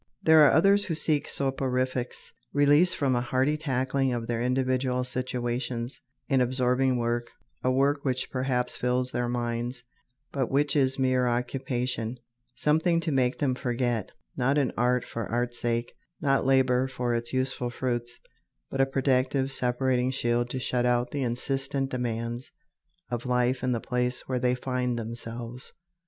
There are others who seek soporifics, release from a hearty tackling of their individual situations, in absorbing work, a work which perhaps fills their minds, but which is mere occupation something to make them forget not an art for art's sake, not labor for its useful fruits, but a protective, separating shield to shut out the insistent demands of life in the place where they find themselves.